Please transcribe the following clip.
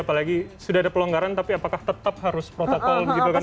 apalagi sudah ada pelonggaran tapi apakah tetap harus protokol gitu kan